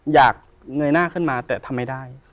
เงยหน้าขึ้นมาแต่ทำไม่ได้